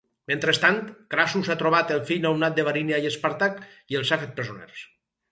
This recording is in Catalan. Mentrestant, Crassus ha trobat el fill nounat de Varinia i Espàrtac i els ha fet presoners.